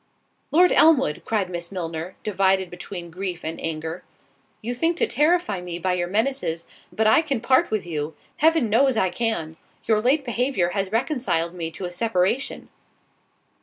"Lord Elmwood," cried Miss Milner, divided between grief and anger, "you think to terrify me by your menaces—but I can part with you—heaven knows I can—your late behaviour has reconciled me to a separation."